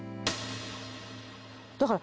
だから。